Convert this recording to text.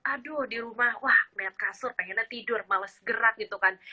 aduh di rumah wah lihat kasur pengennya tidur males gerak gitu kan